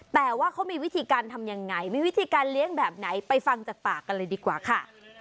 แต่ว่าเขามีวิธีการทำยังไงมีวิธีการเลี้ยงแบบไหนไปฟังจากปากกันเลยดีกว่าค่ะ